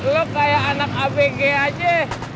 lo kayak anak abg aja